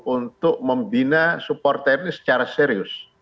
untuk membina supporter ini secara serius